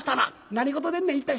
「何事でんねん一体」。